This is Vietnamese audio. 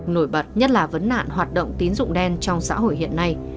nổi bật nhất là vấn nạn hoạt động tín dụng đen trong xã hội hiện nay